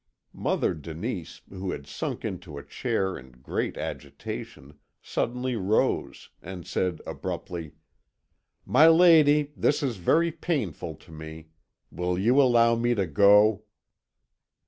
Mother Denise, who had sunk into a chair in great agitation, suddenly rose, and said abruptly: "My lady, this is very painful to me. Will you allow me to go?"